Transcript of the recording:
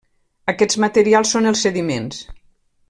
Aquests materials són els sediments.